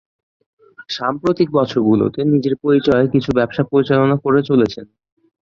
সাম্প্রতিক বছরগুলোতে নিজের পরিচয়ে কিছু ব্যবসা পরিচালনা করে চলেছেন।